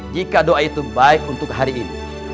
jika doa itu baik untuk hari ini